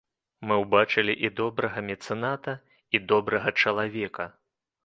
Мы ўбачылі і добрага мецэната, і добрага чалавека.